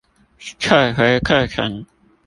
撤回課程